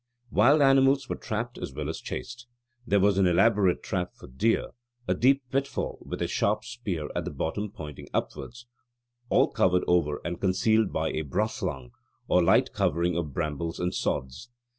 Wild animals were trapped as well as chased. There was an elaborate trap for deer, a deep pitfall with a sharp spear at bottom pointing upwards, all covered over and concealed by a brathlang or light covering of brambles and sods.